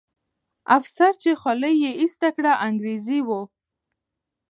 افسر چې خولۍ یې ایسته کړه، انګریزي وو.